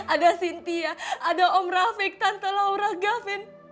ada cynthia ada om raffic tante laura gavin